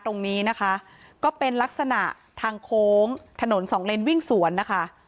ตรงนี้นะคะก็เป็นลักษณะทางโค้งถนนสองเลนวิ่งสวนนะคะ